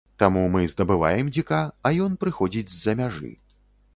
Таму мы здабываем дзіка, а ён прыходзіць з-за мяжы.